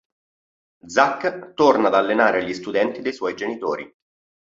Zak torna ad allenare gli studenti dei suoi genitori.